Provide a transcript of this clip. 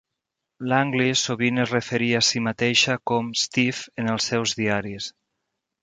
Langley sovint es referia a si mateixa com "Steve" en els seus diaris.